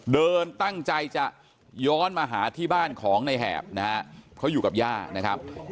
เดินตั้งใจจะย้อนมาหาที่บ้านของในแหบนะฮะเขาอยู่กับย่านะครับ